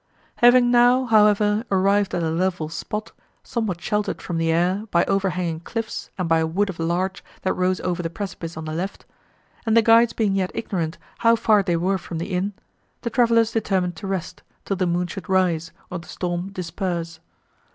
Having now, however, arrived at a level spot, somewhat sheltered from the air, by overhanging cliffs and by a wood of larch, that rose over the precipice on the left, and the guides being yet ignorant how far they were from the inn, the travellers determined to rest, till the moon should rise, or the storm disperse.